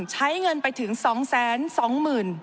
ใช้เงินไปถึง๒แสน๒หมื่น